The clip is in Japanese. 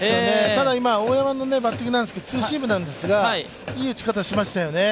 ただ今、大山のバッティングですけど、ツーシームなんですがいい打ち方していましたよね。